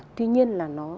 tuy nhiên là nó